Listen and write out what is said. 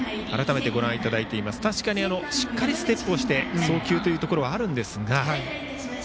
確かにしっかりステップして送球というところはあるんですが。